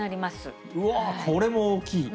これも大きい。